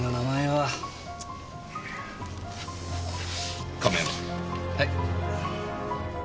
はい。